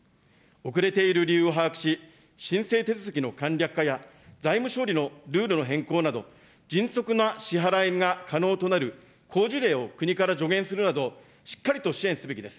遅れている理由を把握し、申請手続きの簡略化や財務処理のルールの変更など、迅速な支払いが可能となる好事例を国から助言するなど、しっかりと支援すべきです。